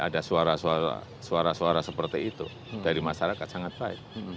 ada suara suara seperti itu dari masyarakat sangat baik